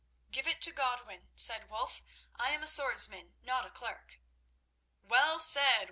"Give it to Godwin," said Wulf. "I am a swordsman, not a clerk." "Well said!